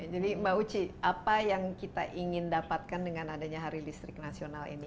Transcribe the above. jadi mbak uci apa yang kita ingin dapatkan dengan adanya hari listrik nasional ini